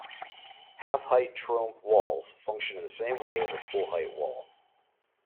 Half-height Trombe walls function in the same way as a full height wall.